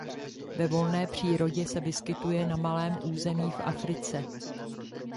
Ve volné přírodě se vyskytuje na malém území v Africe.